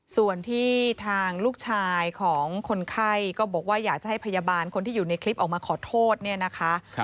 ส่วนที่ทางลูกชายของคนไข้ก็บอกว่าอยากจะให้พยาบาลคนที่อยู่ในคลิปออกมาขอโทษเนี่ยนะคะ